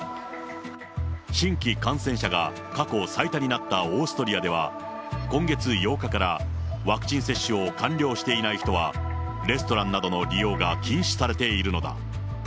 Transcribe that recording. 新規感染者が過去最多になったオーストリアでは、今月８日からワクチン接種を完了していない人は、レストランなどの利用が禁止されているのだ。